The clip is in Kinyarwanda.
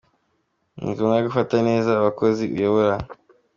Ni ngombwa gufata neza abakozi uyobora.